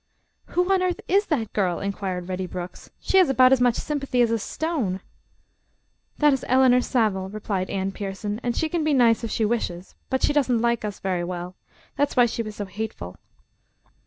"Who on earth is that girl?" inquired Reddy Brooks. "She has about as much sympathy as a stone." "That is Eleanor Savell," replied Anne Pierson, "and she can be nice if she wishes, but she doesn't like us very well. That's why she was so hateful."